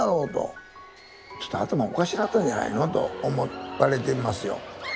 ちょっと頭おかしなったんじゃないのと思われてますよ。